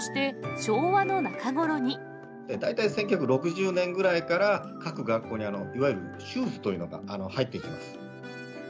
大体１９６０年ぐらいから、各学校にいわゆるシューズというのが入ってきます。